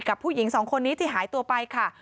ผู้หญิงสองคนนี้ที่หายตัวไปค่ะ